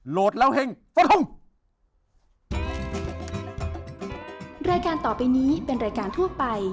โหลดแล้วเฮ่งสวัสดีครับ